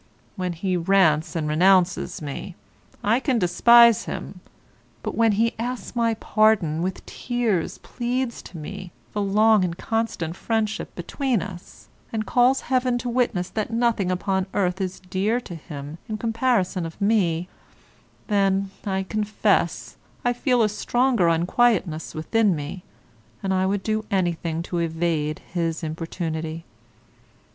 When he rants and renounces me, I can despise him; but when he asks my pardon, with tears pleads to me the long and constant friendship between us, and calls heaven to witness that nothing upon earth is dear to him in comparison of me, then, I confess, I feel a stronger unquietness within me, and I would do anything to evade his importunity.